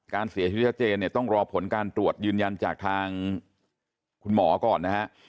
การเสียชีวิตชัดเจนเนี่ยต้องรอผลการตรวจยืนยันจากทางคุณหมอก่อนนะฮะ